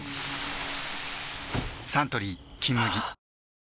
サントリー「金麦」